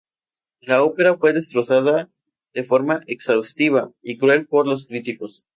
La ópera fue destrozada de forma exhaustiva y cruel por los críticos.